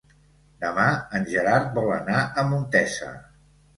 Demà en Gerard vol anar a Montesa.